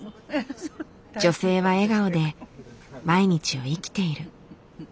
女性は笑顔で毎日を生きている。